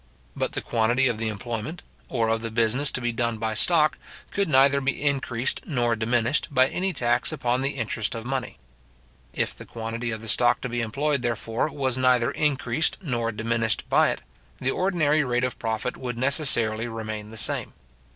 But the quantity of the employment, or of the business to be done by stock, could neither be increased nor diminished by any tax upon the interest of money. If the quantity of the stock to be employed, therefore, was neither increased nor diminished by it, the ordinary rate of profit would necessarily remain the same.